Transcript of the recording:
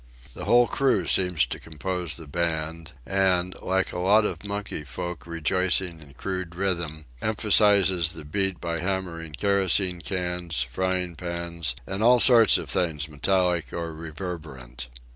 The whole crew seems to compose the band, and, like a lot of monkey folk rejoicing in rude rhythm, emphasizes the beat by hammering kerosene cans, frying pans, and all sorts of things metallic or reverberant.